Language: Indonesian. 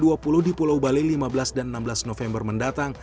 jelang ktt g dua puluh di pulau bali lima belas dan enam belas november mendatang